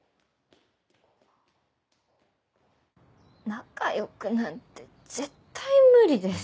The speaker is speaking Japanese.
仲良くなんて絶対無理です。